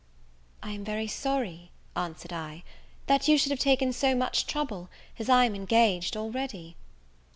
"I am very sorry," answered I, "that you should have taken so much trouble, as I am engaged already."